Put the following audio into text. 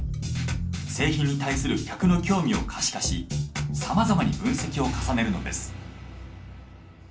製品に対する客の興味を可視化しさまざまに分析を重ねるのです。